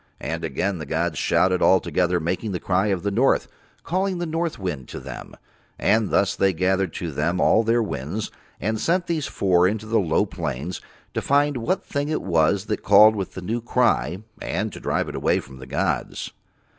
And again the gods shouted all together making the cry of the north, calling the north wind to Them; and thus They gathered to Them all Their winds and sent these four down into the low plains to find what thing it was that called with the new cry, and to drive it away from the gods.